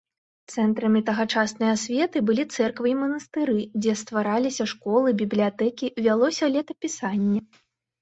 Цэнтрамі тагачаснай асветы былі цэрквы і манастыры, дзе ствараліся школы, бібліятэкі, вялося летапісанне.